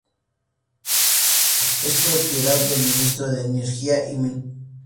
Es propiedad del Ministerio de Energía y Minería.